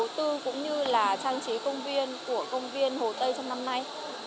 và trang trí công viên của công viên hồ tây trong năm nay